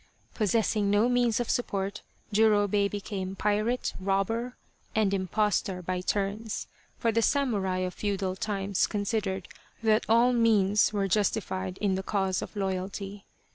Possessing no means of support, Jurobei became pirate, robber, and impostor by turns, for the samurai of feudal times considered that all means were justified in the cause of loyalty.